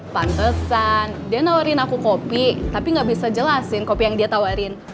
pantesan dia menawarkan aku kopi tapi tidak bisa jelasin kopi yang dia tawarkan